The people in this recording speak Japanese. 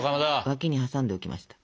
脇に挟んでおきました。